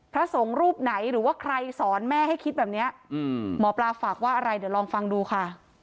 พระสงฆ์รูปไหนหรือว่าใครสอนแม่ให้คิดแบบนี้หมอปลาฝากว่าอะไรเดี๋ยวลองฟังดูค่ะ